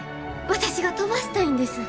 私が飛ばしたいんです。